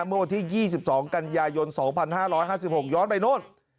เมื่อวันที่๒๒กันยายน๒๕๕๖ย้อนไปโน่น